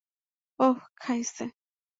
ওহ, খাইছে!